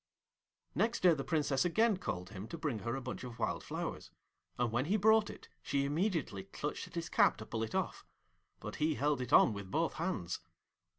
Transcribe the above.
Next day the Princess again called him to bring her a bunch of wild flowers, and when he brought it she immediately clutched at his cap to pull it off; but he held it on with both hands.